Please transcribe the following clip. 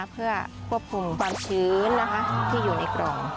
เพื่อควบคุมความชื้นที่อยู่ในกล่อง